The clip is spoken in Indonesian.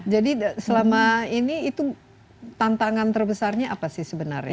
jadi selama ini itu tantangan terbesarnya apa sih sebenarnya